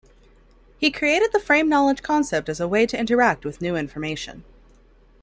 He created the frame knowledge concept as a way to interact with new information.